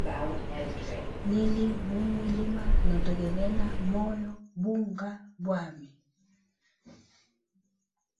Nili mumwilima, notegnena moyo bunga bwami.